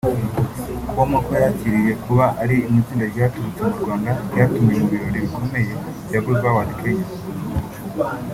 com uko yakiriye kuba ari mu itsinda ryaturutse mu Rwanda ryatumiwe mu birori bikomeye bya Groove Awards Kenya